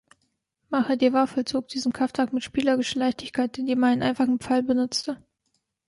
Mahadeva vollzog diesen Kraftakt mit spielerischer Leichtigkeit, indem er einen einfachen Pfeil benutzte.